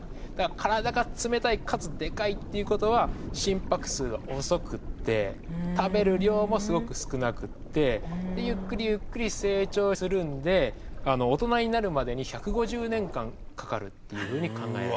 体が冷たいかつでかいっていうことは心拍数が遅くって食べる量もすごく少なくってゆっくりゆっくり成長するんで大人になるまでに１５０年間かかるっていうふうに考えられます。